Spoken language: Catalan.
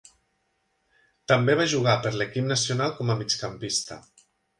També va jugar per l'equip nacional com a migcampista.